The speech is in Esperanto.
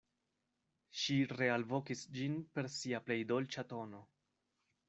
Ŝi realvokis ĝin per sia plej dolĉa tono.